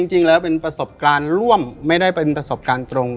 จริงแล้วเป็นประสบการณ์ร่วมไม่ได้เป็นประสบการณ์ตรง